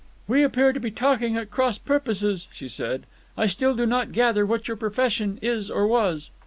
"We appear to be talking at cross purposes," she said. "I still do not gather what your profession is or was."